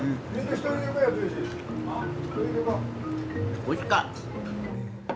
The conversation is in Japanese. おいしか。